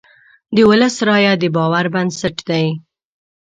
د ولس رایه د باور بنسټ دی.